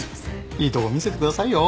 いいとこ見せてくださいよ